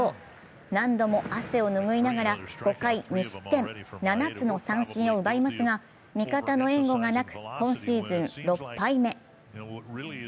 何度も汗を拭いながら５回２失点７つの三振を奪いますが味方の援護がなく今シーズン６敗目。